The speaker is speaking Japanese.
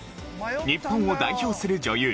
日本を代表する女優